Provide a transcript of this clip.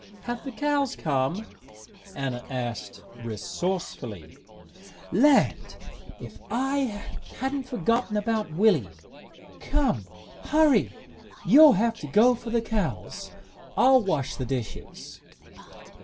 "Have the cows come?" Anna asked, resourcefully. "Land! If I hadn't forgotten about Willie! Come hurry! You'll have to go for the cows. I'll wash the dishes."